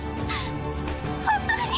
本当に！